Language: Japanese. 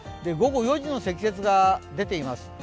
午後４時の積雪が出ています。